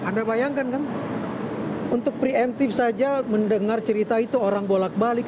anda bayangkan kan untuk preemptif saja mendengar cerita itu orang bolak balik